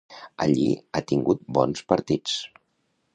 Allí ha tingut bons partits.